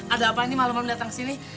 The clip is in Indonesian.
ada apaan ini malem malem datang kesini